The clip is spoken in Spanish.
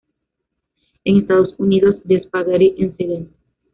En Estados Unidos, "The Spaghetti Incident?